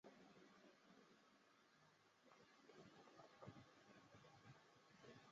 藏南风铃草为桔梗科风铃草属的植物。